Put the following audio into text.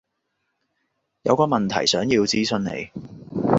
有個問題想要諮詢你